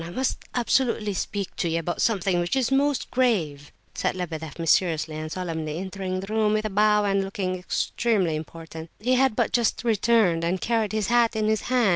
I must absolutely speak to you about something which is most grave," said Lebedeff, mysteriously and solemnly, entering the room with a bow and looking extremely important. He had but just returned, and carried his hat in his hand.